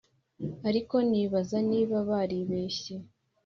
ariko nibaza niba baribeshye